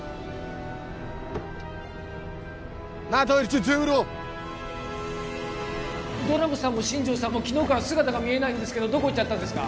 ちょっドラムさんも新庄さんも昨日から姿が見えないんですけどどこ行っちゃったんですか？